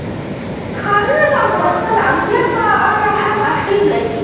ښارونه د افغانستان د امنیت په اړه هم اغېز لري.